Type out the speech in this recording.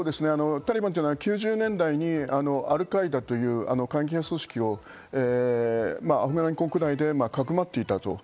タリバンというのは９０年代にアルカイダという組織をアフガン国内でかくまっていた。